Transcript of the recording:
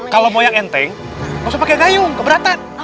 kalau mau yang enteng gak usah pakai gayung keberatan